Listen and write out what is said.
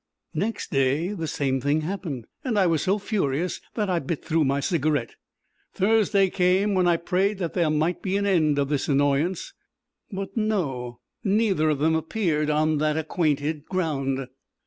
Next day the same thing happened, and I was so furious that I bit through my cigarette. Thursday came, when I prayed that there might be an end of this annoyance, but no, neither of them appeared on that acquainted ground.